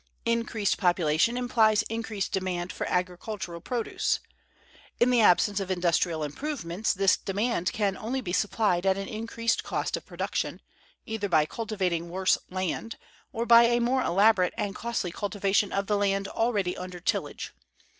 Increased population implies increased demand for agricultural produce. In the absence of industrial improvements, this demand can only be supplied at an increased cost of production, either by cultivating worse land, or by a more elaborate and costly cultivation of the land already under tillage.